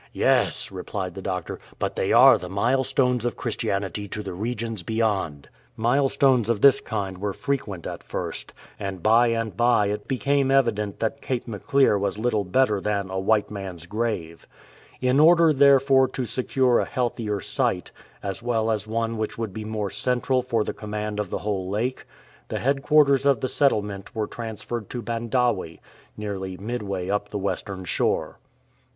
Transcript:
"" "Yes,"' replied the doctor, "but they are the milestones of Christianity to the regions beyond."" Mile 137 THE WILD ANGONI stones of this kind were frequent at first, and by and by it became evident that Cape Maclear was little better than a " white nian'^s grave."" In order, therefore, to secure a healthier site, as well as one which would be more central for the command of the whole lake, the headquarters of the settlement were transferred to Bandawe, nearly mid way up the western shore.